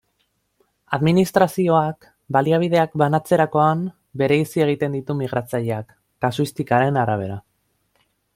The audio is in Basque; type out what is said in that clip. Administrazioak baliabideak banatzerakoan bereizi egiten ditu migratzaileak, kasuistikaren arabera.